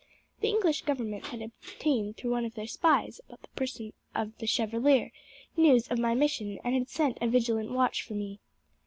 The English government had obtained, through one of their spies about the person of the Chevalier, news of my mission, and had set a vigilant watch for me."